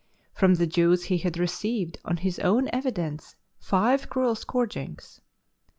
From the Jews he had received on his own evidence five cruel scourgings.